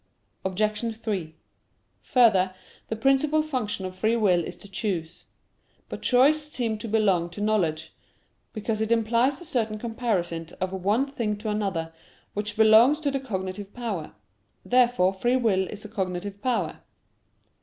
Obj. 3: Further, the principal function of free will is to choose. But choice seems to belong to knowledge, because it implies a certain comparison of one thing to another, which belongs to the cognitive power. Therefore free will is a cognitive power.